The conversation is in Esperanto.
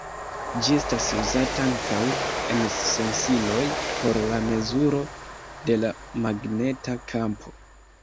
Ĝi estas uzata ankaŭ en sensiloj por la mezuro de la magneta kampo.